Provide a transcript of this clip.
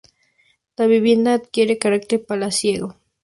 La vivienda adquiere carácter palaciego.